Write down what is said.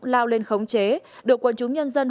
lao lên khống chế được quân chúng nhân dân